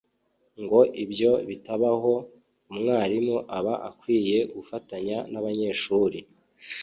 ngo ibyo bitabaho, umwarimu aba akwiye gufatanya n'abanyeshuri